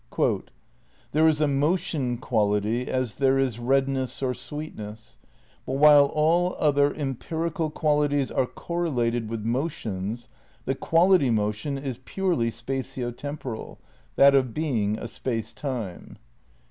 Quaaty "There is a motion quality as there is redness or sweetness. ... But while all other, empirical, qualities are correlated with mo tions, the 'quality' motion is purely spatio temporal, that of being a space time."